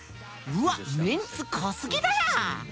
うわっメンツ濃すぎだな！